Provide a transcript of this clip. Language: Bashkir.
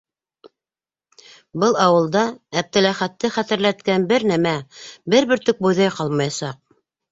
Был ауылда Әптеләхәтте хәтерләткән бер нәмә, бер бөртөк бойҙай ҡалмаясаҡ!